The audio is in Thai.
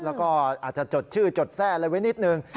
แล้วก็อาจจะจดชื่อจดแทรกไว้นิดหนึ่ง